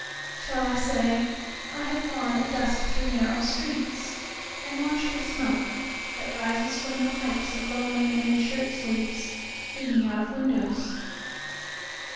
……..Shall I say, I have gone at dusk through narrow streetsAnd watched the smoke that rises from the pipesOf lonely men in shirt sleeves, leaning out of windows?